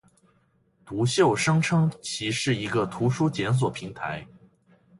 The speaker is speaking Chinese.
读秀声称其是一个图书检索平台。